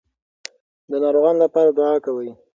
د ناروغانو لپاره دعا کوئ.